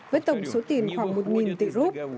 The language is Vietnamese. với tổng số tiền khoảng một tỷ rút